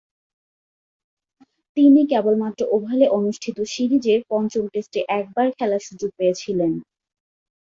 তিনি কেবলমাত্র ওভালে অনুষ্ঠিত সিরিজের পঞ্চম টেস্টে একবার খেলার সুযোগ পেয়েছিলেন।